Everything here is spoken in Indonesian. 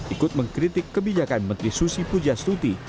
ikut mengkritik kebijakan menteri susi puja stuti